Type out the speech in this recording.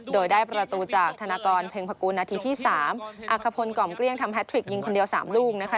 โดยได้ประตูจากธนากรเพ็งพกูลนาทีที่๓อาคพลกล่อมเกลี้ยงทำแททริกยิงคนเดียว๓ลูกนะคะ